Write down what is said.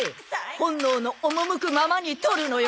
本能の赴くままに撮るのよ！